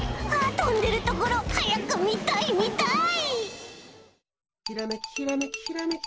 とんでるところはやくみたいみたい！